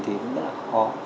thì rất là khó